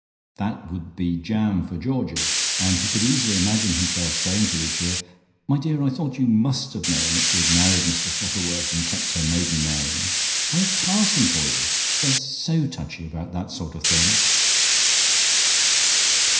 That would be jam for Georgie, and he could easily imagine himself saying to Lucia, "My dear, I thought you must have known that she had married Mr Shuttleworth and kept her maiden name! How tarsome for you! They are so touchy about that sort of thing."